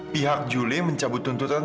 pihak julie mencabut tuntutan